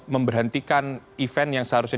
memberhentikan event yang seharusnya